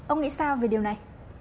ông nghĩ sao về điều này